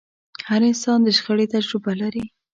هر انسان د شخړې تجربه لري.